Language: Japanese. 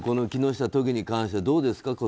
木下都議に関してどうですか？